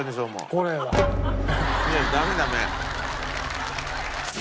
これは。ねえダメダメ。